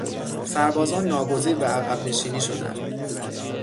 سربازان ناگزیر به عقب نشینی شدند.